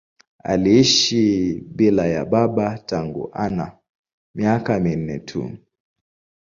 Aliishi bila ya baba tangu ana miaka minne tu.